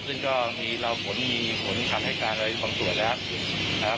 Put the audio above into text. ซึ่งก็มีเราผลมีผลคำให้การอะไรบางส่วนแล้วนะครับ